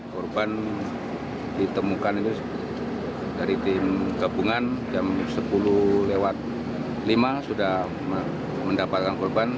korban ditemukan itu dari tim gabungan jam sepuluh lima sudah mendapatkan korban